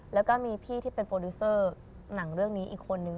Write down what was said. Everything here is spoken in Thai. แล้วก็มีพี่ที่เป็นโปรดิวเซอร์หนังเรื่องนี้อีกคนนึง